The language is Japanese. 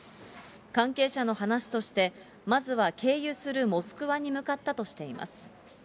関係者の話として、まずは経由するモスクワに向かったとしています。